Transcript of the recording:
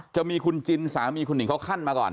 จะมีคุณจินสามีคุณหิงเขาขั้นมาก่อน